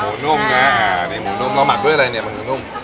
หมูนุ่มไงอันนี้หมูนุ่มแล้วหมักด้วยอะไรเนี่ยหมูนุ่ม